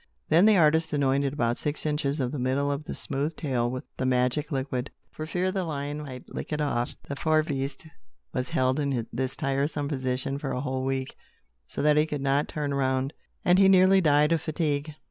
Then the artist anointed about six inches of the middle of the smooth tail with the magic liquid. For fear the lion might lick it off, the poor beast was held in this tiresome position for a whole week, so that he could not turn round, and he nearly died of fatigue.